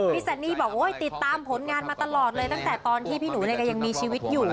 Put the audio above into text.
ซันนี่บอกโอ้ยติดตามผลงานมาตลอดเลยตั้งแต่ตอนที่พี่หนูก็ยังมีชีวิตอยู่